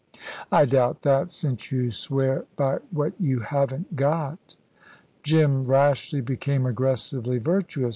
"I doubt that, since you swear by what you haven't got." Jim rashly became aggressively virtuous.